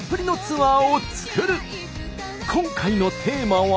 今回のテーマは。